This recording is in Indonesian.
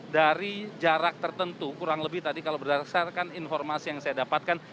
dari jarak tertentu kurang lebih tadi kalau berdasarkan informasi yang saya dapatkan